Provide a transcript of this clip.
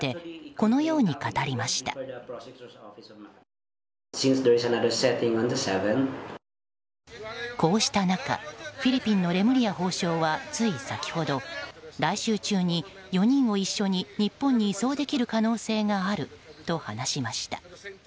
こうした中フィリピンのレムリヤ法相はつい先ほど、来週中に４人を一緒に日本に移送できる可能性があると話しました。